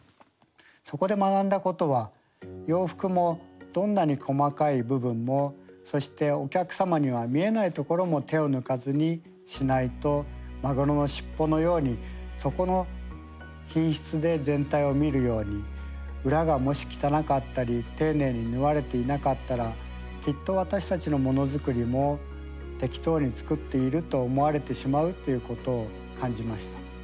そこで学んだことは洋服もどんなに細かい部分もそしてお客様には見えないところも手を抜かずにしないとマグロの尻尾のようにそこの品質で全体を見るように裏がもし汚かったり丁寧に縫われていなかったらきっと私たちのものづくりも適当に作っていると思われてしまうということを感じました。